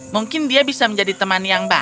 mungkin dia bisa menjadi teman